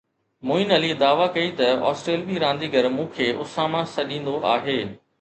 معين علي دعويٰ ڪئي ته آسٽريلوي رانديگر مون کي اساما سڏيندو هو